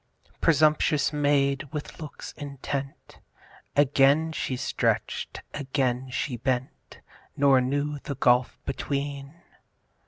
Presumptuous Maid! with looks intent Again she stretch'd, again she bent, Nor knew the gulf between.